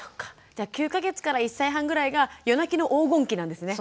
じゃあ９か月から１歳半ぐらいが夜泣きの黄金期なんですね。